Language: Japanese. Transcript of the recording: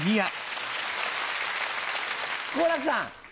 好楽さん。